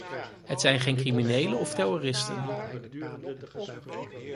Het zijn geen criminelen of terroristen.